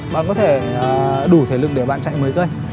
bạn có thể đủ thể lực để bạn chạy mấy cây